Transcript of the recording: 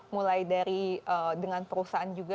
mulai dari dengan perusahaan juga